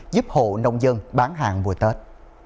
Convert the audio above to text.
giúp hộ nông dân bán hàng mùa tết